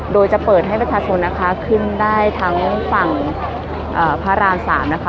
โดยจะเปิดให้ประชาชนนะคะขึ้นได้ทั้งฝั่งพระราม๓นะคะ